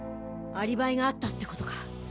アリバイがあったってことか。